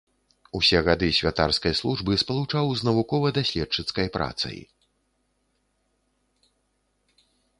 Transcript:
Усе гады святарскай службы спалучаў з навукова-даследчыцкай працай.